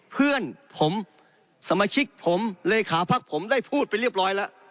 เพื่อนผมสมาชิกผมเลขาพักผมได้พูดไปเรียบร้อยแล้ว